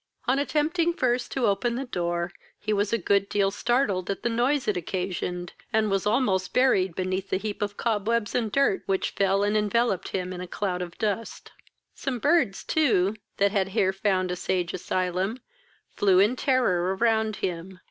On attempting first to open the door, he was a good deal startled at the noise it occasioned, and was almost buried beneath the heap of cobwebs and dirt which fell and enveloped him in a cloud of dust. Some birds too, that had here found a sage asylum, flew in terror around him.